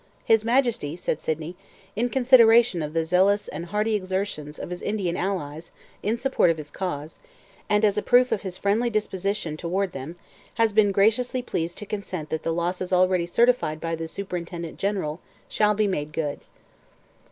'His Majesty,' said Sydney, 'in consideration of the zealous and hearty exertions of his Indian allies in the support of his cause, and as a proof of his friendly disposition toward them, has been graciously pleased to consent that the losses already certified by the Superintendent General shall be made good.'